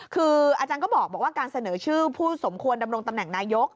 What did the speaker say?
คืออาจารย์ก็บอกว่าการเสนอชื่อผู้สมควรดำรงตำแหน่งนายก